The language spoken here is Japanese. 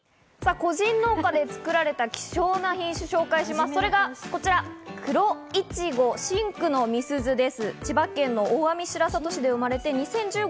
個人農家で作られた希少な品種を紹介します、それがこちら、黒いちご、真紅の美鈴です。